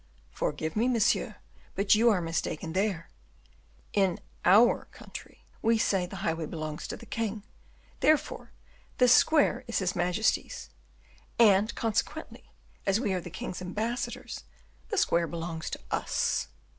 "Forgive me, monsieur, but you are mistaken there. In our country, we say, the highway belongs to the king, therefore this square is his majesty's; and, consequently, as we are the king's ambassadors, the square belongs to us."